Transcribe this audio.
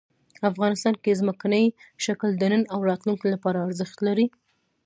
افغانستان کې ځمکنی شکل د نن او راتلونکي لپاره ارزښت لري.